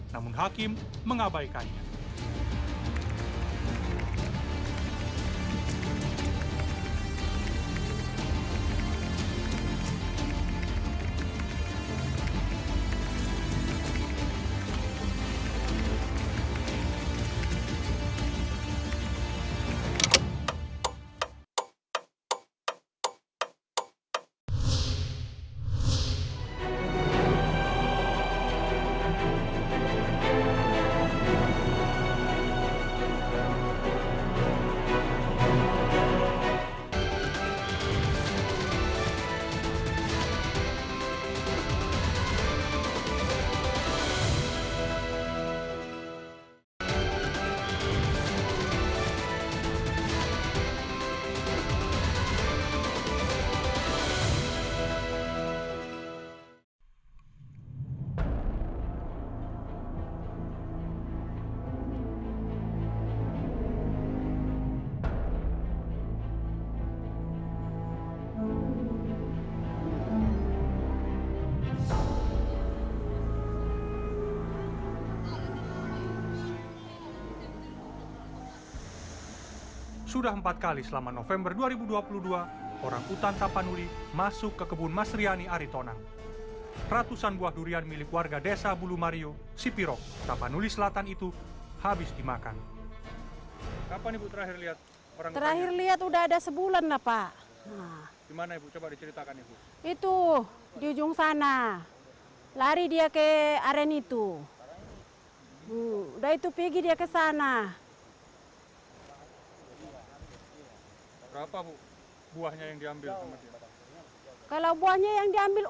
namun hakim mengabaikannya